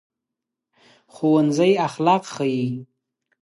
ښوونځی اخلاق ښيي